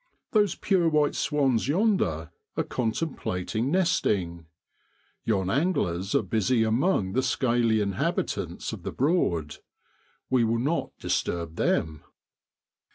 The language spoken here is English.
Those pure white swans yonder are contemplating nesting. Yon anglers are busy among the scaly inhabitants of the Broad. We will not disturb them.